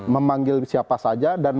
memanggil siapa saja